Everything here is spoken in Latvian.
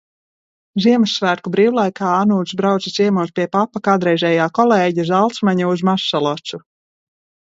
Ziemassvētku brīvlaikā Anūts brauca ciemos pie papa kādreizējā kolēģa, Zalcmaņa, uz Mazsalacu.